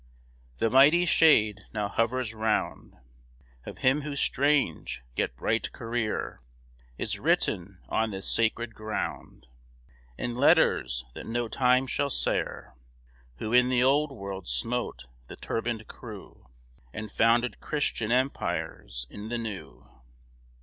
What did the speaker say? The mighty shade now hovers round, Of him whose strange, yet bright career Is written on this sacred ground In letters that no time shall sere; Who in the Old World smote the turbaned crew, And founded Christian empires in the New.